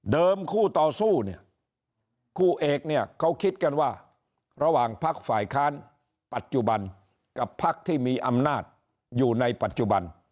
คู่ต่อสู้เนี่ยคู่เอกเนี่ยเขาคิดกันว่าระหว่างพักฝ่ายค้านปัจจุบันกับพักที่มีอำนาจอยู่ในปัจจุบัน